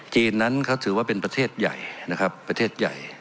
จีนนั้นเขาถือว่าเป็นประเทศใหญ่นะครับประเทศใหญ่